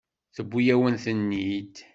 Tewwi-yawen-ten-id.